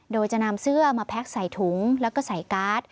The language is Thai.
โดยจะนำเสื้อมาแพ็กใส่ถุงแล้วก็ใส่การ์ด